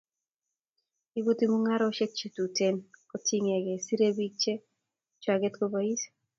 iputi mungaroshek che Tuten kotinge sire pik che chwaget kopais